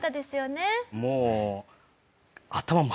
もう。